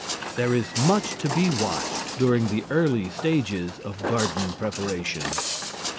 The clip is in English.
There is much to be watched during the early stages of garden preparation.